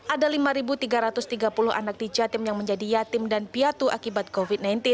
ada lima tiga ratus tiga puluh anak di jatim yang menjadi yatim dan piatu akibat covid sembilan belas